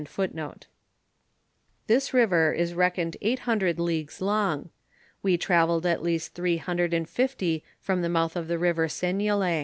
f This river is reckoned eight hundred leagues long ; we travelled at least three hun dred and fifty from the mouth of the river Seignelay.